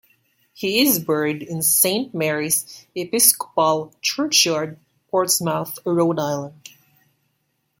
He is buried in Saint Mary's Episcopal Churchyard, Portsmouth, Rhode Island.